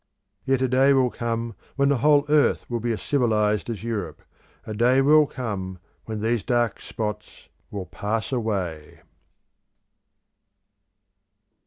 Yet a day will come when the whole earth will be as civilised as Europe: a day will come when these dark spots will pass away.